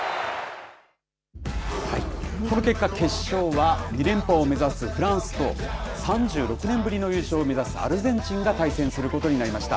この結果、決勝は２連覇を目指すフランスと、３６年ぶりの優勝を目指すアルゼンチンが対戦することになりました。